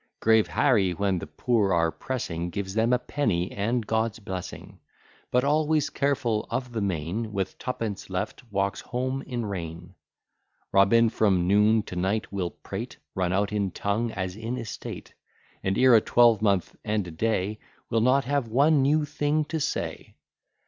Grave Harry, when the poor are pressing Gives them a penny and God's blessing; But always careful of the main, With twopence left, walks home in rain. Robin from noon to night will prate, Run out in tongue, as in estate; And, ere a twelvemonth and a day, Will not have one new thing to say.